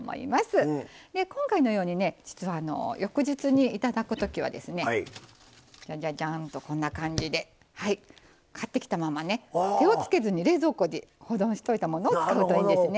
で今回のようにね実は翌日に頂く時はですねジャジャジャンとこんな感じではい買ってきたままね手をつけずに冷蔵庫に保存しといたものを使うといいんですね。